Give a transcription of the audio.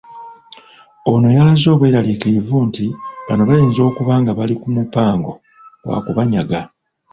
Ono yalaze obweraliikirivu nti bano bayinza okuba nga bali ku mupango gwa kubanyaga.